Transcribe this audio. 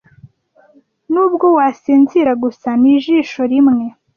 nubwo wasinzira gusa nijisho rimwe